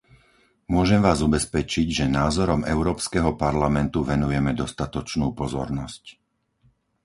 Môžem vás ubezpečiť, že názorom Európskeho parlamentu venujeme dostatočnú pozornosť.